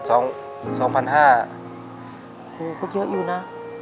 โหเขาเยอะอยู่นะ